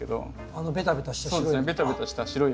あのベタベタした白い。